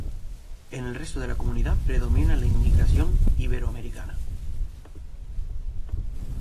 En el resto de la Comunidad predomina la inmigración iberoamericana.